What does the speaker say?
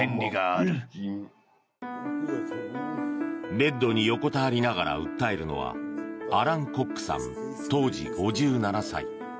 ベッドに横たわりながら訴えるのはアラン・コックさん当時５７歳。